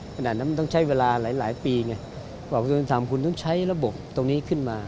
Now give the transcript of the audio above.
ขณะนั้นมันต้องใช้เวลาหลายปีไงบอกกระทรวมอินทรรมคุณต้องใช้ระบบตรงนี้ขึ้นมา